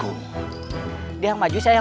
apa yang dayuk nyatakan